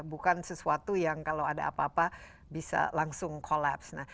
bukan sesuatu yang kalau ada apa apa bisa langsung collapse